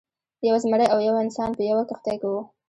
یو زمری او یو انسان په یوه کښتۍ کې وو.